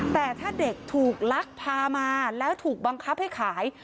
แต่ถ้าเด็กถูกลักพามาแล้วถูกบังคับให้ขาย